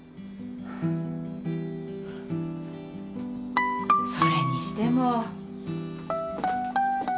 それにしても。